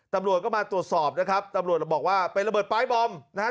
ตำรวจก็มาตรวจสอบนะครับตำรวจบอกว่าเป็นระเบิดปลายบอมนะฮะ